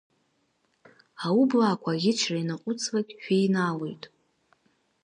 Аублаақуа аӷьычра ианаҟуҵлак шәеинаалоит!